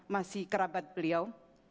masih kerabat beliau